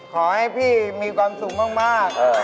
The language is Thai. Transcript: ขอให้พี่มีความสุขมาก